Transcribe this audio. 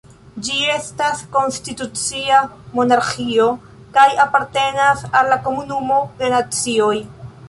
Ĝi estas konstitucia monarĥio kaj apartenas al la Komunumo de Nacioj.